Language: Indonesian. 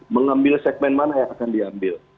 mengambil segmen mana yang akan diambil